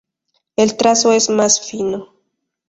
El trazo es más fino.